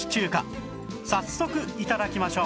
早速頂きましょう！